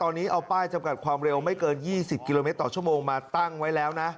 ตอนนี้เอาป้ายจำกัดความเร็วไม่เกิน๒๐กิโลเมตรต่อชั่วโมงมาตั้งไว้แล้วนะ